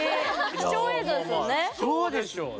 貴重でしょうね。